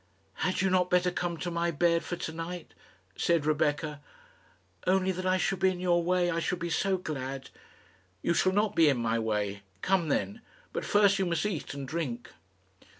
"Had you not better come to my bed for to night?" said Rebecca. "Only that I should be in your way, I should be so glad." "You shall not be in my way. Come, then. But first you must eat and drink."